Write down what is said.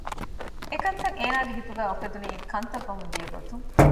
އެކަންތައް އޭނަގެ ހިތުގައި އުފެދުނީ ކަންތައް ވަމުން ދިޔަ ގޮތުން